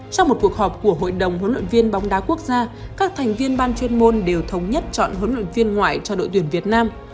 trong một cuộc họp của hội đồng huấn luyện viên bóng đá quốc gia các thành viên ban chuyên môn đều thống nhất chọn huấn luyện viên ngoại cho đội tuyển việt nam